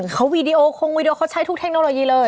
เขาวีดีโอคงวีดีโอเขาใช้ทุกเทคโนโลยีเลย